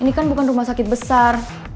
ini kan bukan rumah sakit besar